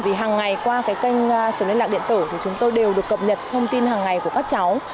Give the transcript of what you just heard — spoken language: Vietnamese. vì hằng ngày qua kênh số liên lạc điện tử thì chúng tôi đều được cập nhật thông tin hằng ngày của các cháu